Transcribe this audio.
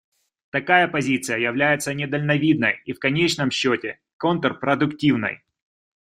Такая позиция является недальновидной и в конечном счете контрпродуктивной.